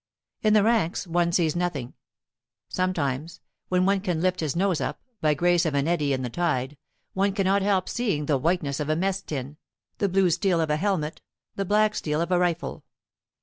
In the ranks one sees nothing. Sometimes, when one can lift his nose up, by grace of an eddy in the tide, one cannot help seeing the whiteness of a mess tin, the blue steel of a helmet, the black steel of a rifle.